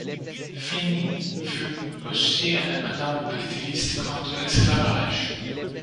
Finney fut aussi un ardent activiste contre l'esclavage.